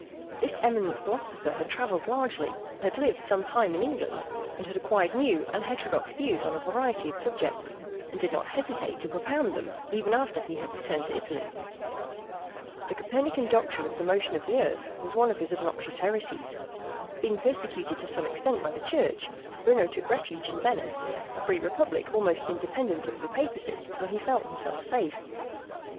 This eminent philosopher had travelled largely, had lived some time in England, had acquired new and heterodox views on a variety of subjects, and did not hesitate to propound them even after he had returned to Italy. The Copernican doctrine of the motion of the earth was one of his obnoxious heresies. Being persecuted to some extent by the Church, Bruno took refuge in Venice a free republic almost independent of the Papacy where he felt himself safe.